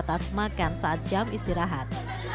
hanya sebatas makan saat jam istirahat